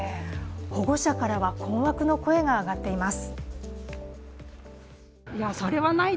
保護者からは困惑の声が上がっています。